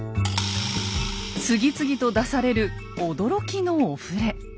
次々と出される驚きのお触れ。